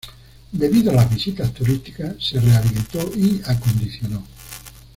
Debido a las visitas turísticas, se rehabilitó y acondicionó.